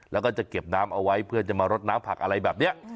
แล้วก็จะเก็บน้ำเอาไว้เพื่อจะมารดน้ำผักอะไรแบบนี้